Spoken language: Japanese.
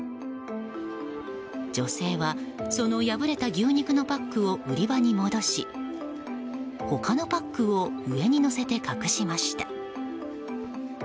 女性はその破れた牛肉のパックを売り場に戻し他のパックを上にのせて隠しました。